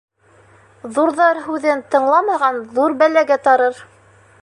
Ҙурҙар һүҙен тыңламаған ҙур бәләгә тарыр.